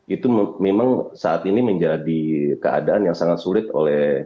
itu memang saat ini menjadi keadaan yang sangat sulit oleh